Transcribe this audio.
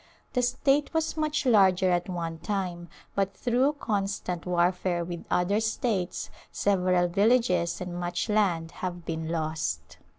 The state was much larger at one time but through constant warfare with other states several o villages and much land have been lost.